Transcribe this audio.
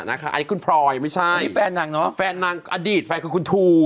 นะคะอันนี้คุณพรอยไม่ใช่นี่แฟนหนังเนอะแฟนหนังอดีตแฟนคือคุณทู